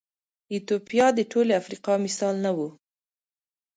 ایتوپیا د ټولې افریقا مثال نه و.